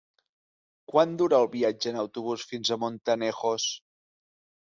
Quant dura el viatge en autobús fins a Montanejos?